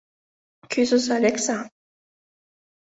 Кӱзыза, лекса.